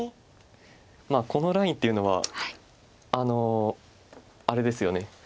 このラインっていうのはあれですよね。